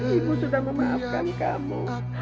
ibu sudah memaafkan kamu